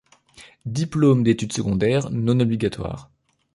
Diplôme d’études secondaires non obligatoire.